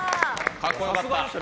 かっこよかった。